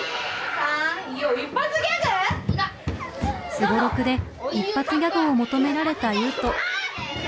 すごろくで一発ギャグを求められた雄羽斗。